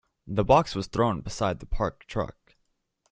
The box was thrown beside the parked truck.